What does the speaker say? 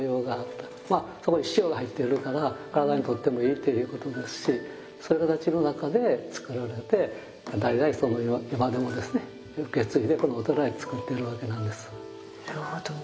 そこに塩が入ってるから体にとってもいいということですしそういう形の中で造られて代々今でもですね受け継いでこのお寺で造ってるわけなんです。